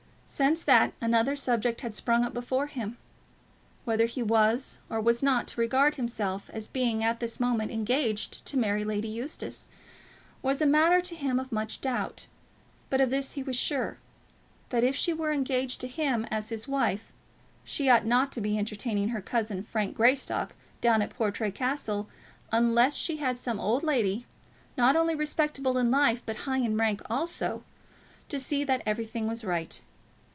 Since that, another subject had sprung up before him. Whether he was, or was not, to regard himself as being at this moment engaged to marry Lady Eustace, was a matter to him of much doubt; but of this he was sure, that if she were engaged to him as his wife, she ought not to be entertaining her cousin Frank Greystock down at Portray Castle, unless she had some old lady, not only respectable in life, but high in rank also, to see that everything was right.